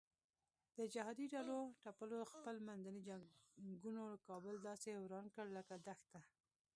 د جهادي ډلو ټپلو خپل منځي جنګونو کابل داسې وران کړ لکه دښته.